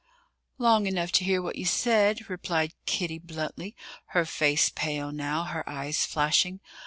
"Long enough to hear what you said," replied Kitty bluntly, her face pale now, her eyes flashing.